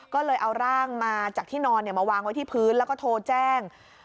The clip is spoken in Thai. ก็เลยเอาร่างมาจากที่นอนมาวางไว้ที่พื้นแล้วก็โทรแจ้ง